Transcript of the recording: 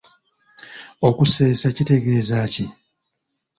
Okuseesa kitegeeza ki?